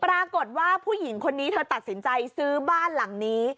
ปรากฏว่าผู้หญิงคนนี้เธอตัดสินใจซื้อบ้านหลังนี้